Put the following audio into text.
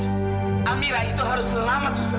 amira itu harus selamat suster